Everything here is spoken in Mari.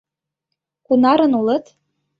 — Кунарын улыт?